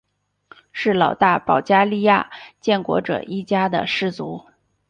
是老大保加利亚建国者一家的氏族。